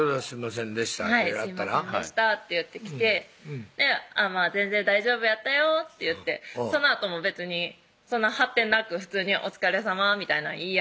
「すいませんでした」と言ってきて「全然大丈夫やったよ」って言ってそのあとも別にそんな発展なく普通に「お疲れさま」みたいなん